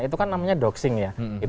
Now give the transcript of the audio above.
itu kan namanya doxing ya